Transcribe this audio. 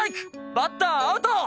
バッターアウト！